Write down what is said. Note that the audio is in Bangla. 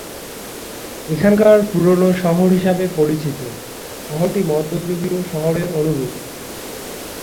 এখনকার পুরনো শহর হিসাবে পরিচিত শহরটি মধ্যযুগীয় শহরের অনুরুপ।